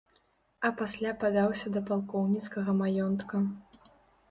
А пасля падаўся да палкоўніцкага маёнтка.